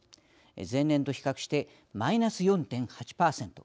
前年と比較してマイナス４．８％。